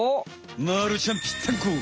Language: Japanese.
まるちゃんぴったんこ！